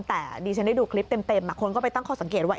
แต่ดิฉันได้ดูคลิปเต็มคนก็ไปตั้งข้อสังเกตว่า